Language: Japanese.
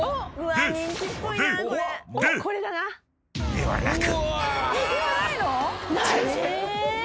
［ではなく］